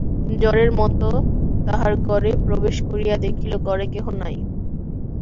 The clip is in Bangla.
ঝড়ের মতো তাহার ঘরে প্রবেশ করিয়া দেখিল ঘরে কেহ নাই।